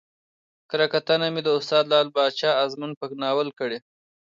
کره کتنه مې د استاد لعل پاچا ازمون په ناول کړى